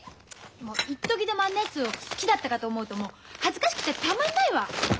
もういっときでもあんなやつを好きだったかと思うともう恥ずかしくてたまんないわ！